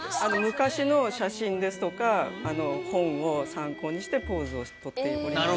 昔の写真ですとか本を参考にしてポーズを取っております。